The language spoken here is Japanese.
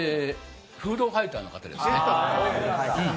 フードファイターの方ですね。